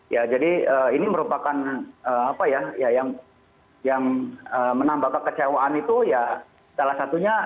ya jadi ini merupakan apa ya yang menambah kekecewaan itu ya salah satunya